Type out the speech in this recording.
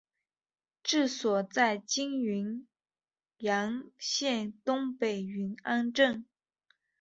治所在今云阳县东北云安镇。